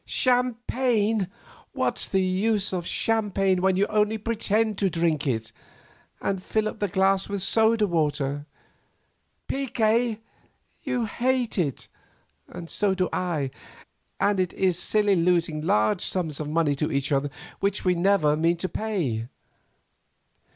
"Champagne! What's the use of champagne when you only pretend to drink it and fill up the glass with soda water? Picquet! You hate it, and so do I; and it is silly losing large sums of money to each other which we never mean to pay.